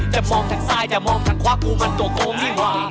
จะมองทางซายจะมองทางขวากูมันตัวโกมี่หว่า